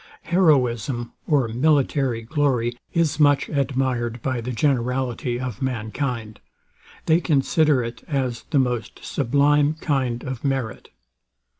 Heroism, or military glory, is much admired by the generality of mankind. They consider it as the most sublime kind of merit.